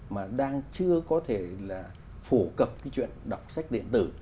mà đang chưa có thể là phổ cập cái chuyện đọc sách điện tử